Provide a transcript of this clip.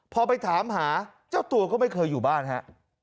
พอไปถามหาเจ้าตัวก็ไม่เคยอยู่บ้านฮะ